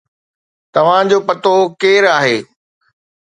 توهان جو پتو ڪير آهي؟